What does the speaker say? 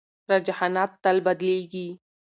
رجحانات تل بدلېږي.